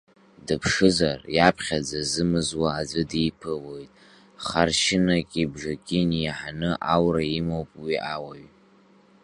Дыԥшызар, иаԥхьа дзазымазуа аӡәы диԥылоит, харшьынаки бжаки инеиҳаны аура имоуп уи ауаҩ!